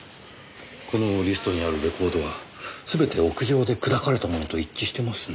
このリストにあるレコードは全て屋上で砕かれたものと一致してますねぇ。